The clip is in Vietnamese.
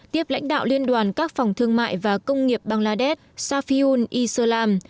tiếp lãnh đạo liên đoàn các phòng thương mại và công nghiệp bangladesh safiun islam